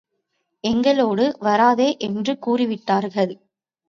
எங்களோடு வராதே! என்று கூறிவிட்டார்கள்.